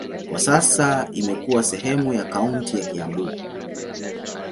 Kwa sasa imekuwa sehemu ya kaunti ya Kiambu.